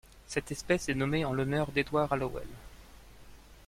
Cette espèce est nommée en l'honneur d'Edward Hallowell.